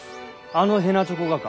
あのへなちょこがか。